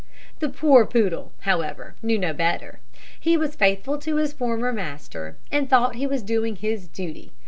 The poor poodle, however, knew no better. He was faithful to his former master, and thought that he was doing his duty.